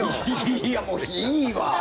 いや、もういいわ。